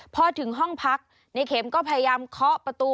พอถึงห้องพักในเข็มก็พยายามเคาะประตู